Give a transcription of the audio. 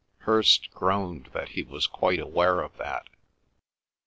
Hirst groaned that he was quite aware of that.